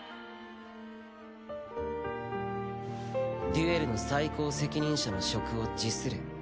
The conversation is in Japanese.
デュエルの最高責任者の職を辞する。